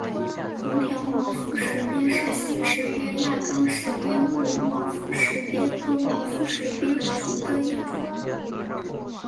红条毛肤石鳖是新石鳖亚纲石鳖目毛肤石鳖科毛肤石鳖属的一种。